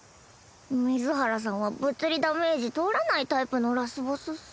水原さんは物理ダメージ通らないタイプのラスボスっス。